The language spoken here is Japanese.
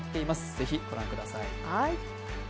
ぜひご覧ください。